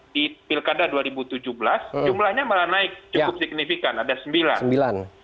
di pilkada dua ribu tujuh belas jumlahnya malah naik cukup signifikan ada sembilan